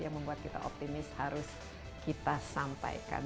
yang membuat kita optimis harus kita sampaikan